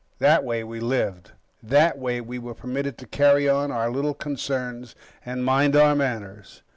That way, we lived. That way, we were permitted to carry on our little concerns, and mind our manners.